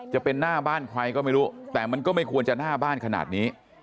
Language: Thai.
จะเป็นหน้าบ้านใครก็ไม่รู้แต่มันก็ไม่ควรจะหน้าบ้านขนาดนี้